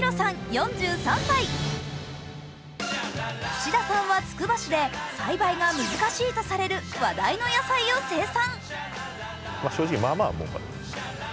伏田さんはつくば市で栽培が難しいとされる話題の野菜を生産。